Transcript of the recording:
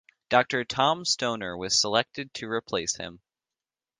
Doctor Tom Stoner was selected to replace him.